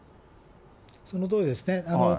そのとおりですね。